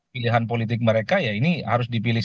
pilihan politik mereka ya ini harus dipilih